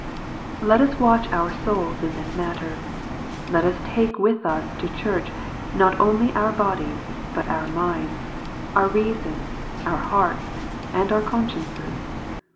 Let us watch our souls in. this matter. Let us take with us to Church, not only our bodies, but our minds, our reason, our hearts, and our consciences.